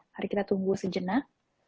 mari kita tunggu sejenak